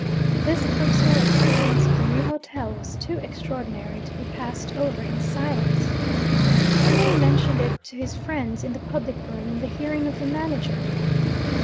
This personal experience of the new hotel was too extraordinary to be passed over in silence. Henry mentioned it to his friends in the public room, in the hearing of the manager.